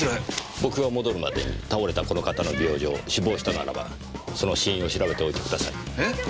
僕が戻るまでに倒れたこの方の病状死亡したならばその死因を調べておいてください。え！？